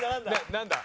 なんだ？